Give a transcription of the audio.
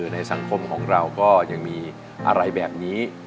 ในสังคมของเราก็ยังมีอะไรแบบนี้